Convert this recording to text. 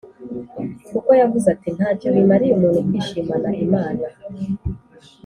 kuko yavuze ati ‘nta cyo bimariye umuntu kwishimana imana’